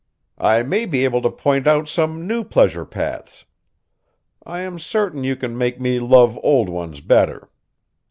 "I may be able to point out some new pleasure paths; I am certain you can make me love old ones better.